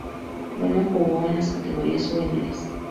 Bueno jugó en las categorías juveniles.